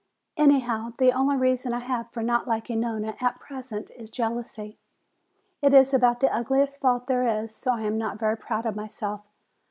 Anyhow, the only reason I have for not liking Nona at present is jealousy. It is about the ugliest fault there is, so I'm not very proud of myself.